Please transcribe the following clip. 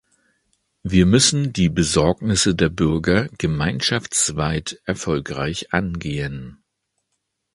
Wir müssen die Besorgnisse der Bürger gemeinschaftsweit erfolgreich angehen.